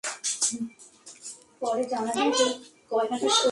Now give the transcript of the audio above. বড় কিছু ভাবো, স্টোন।